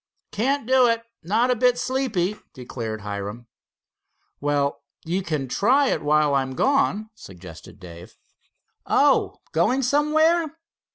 "Can't do it. Not a bit sleepy," declared Hiram. "Well, you can try it while I'm gone," suggested Dave. "Oh, going somewhere?"